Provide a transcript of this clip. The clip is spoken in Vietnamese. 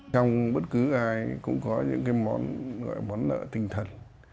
trong bất cứ ai cũng có những món lợi tinh thần